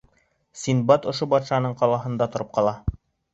Синдбад ошо батшаның ҡалаһында тороп ҡала.